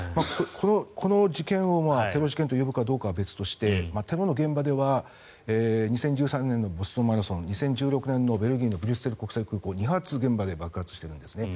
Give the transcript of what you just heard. この事件をテロ事件というべきかは別としてテロの現場では２０１３年のボストンマラソン２０１６年のベルギーのブリュッセル国際空港２発現場で爆発しているんですね。